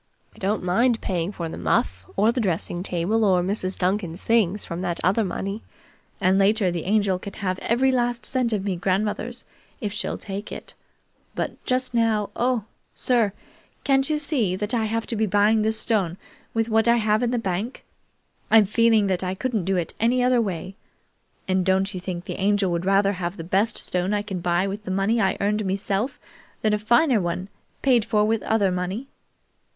I don't mind paying for the muff, or the drexing table, or Mrs. Duncan's things, from that other money, and later the Angel can have every last cent of me grandmother's, if she'll take it; but just now oh, sir, can't you see that I have to be buying this stone with what I have in the bank? I'm feeling that I couldn't do any other way, and don't you think the Angel would rather have the best stone I can buy with the money I earned meself than a finer one paid for with other money?"